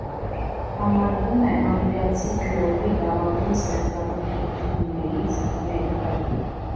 Համարվում է անգլիացի գրողի լավագույն ստեղծագործություններից մեկը։